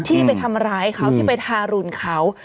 ที่ไปทำร้ายเขาที่ไปทารุณเขา